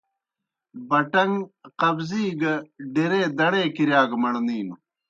بٹَݩگ قبضی گہ ڈیرے دڑے کِرِیا گہ مڑنِینوْ